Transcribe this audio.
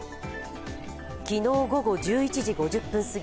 昨日午後１１時５０分すぎ